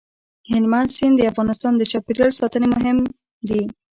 هلمند سیند د افغانستان د چاپیریال ساتنې لپاره مهم دي.